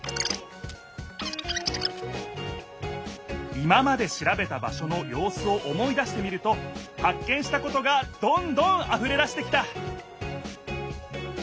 今までしらべた場所のようすを思い出してみるとはっ見したことがどんどんあふれだしてきた！